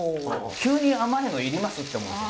「急に甘いの要ります？」って思うんです。